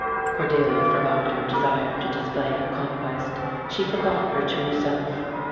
Cordelia forgot her desire to display her conquest. She forgot her true self.